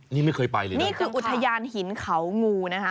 นี่ไม่เคยไปเลยนะนี่คืออุทยานหินเขางูนะคะ